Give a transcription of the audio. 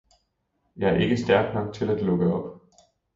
jeg er ikke stærk nok til at lukke op!